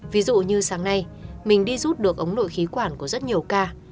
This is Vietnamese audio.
ví dụ như sáng nay mình đi rút được ống nội khí quản của rất nhiều ca